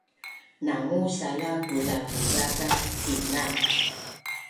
Nangu sala kuzakuza kat tina